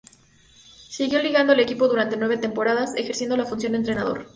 Siguió ligado al equipo durante nueve temporadas, ejerciendo la función de entrenador.